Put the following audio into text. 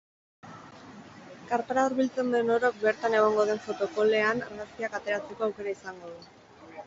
Karpara hurbiltzen den orok bertan egongo den photocall-ean argazkiak ateratzeko aukera izango du.